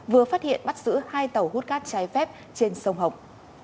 vừa phát hiện bắt giữ hai tàu hút cát trái phép trên sông hồng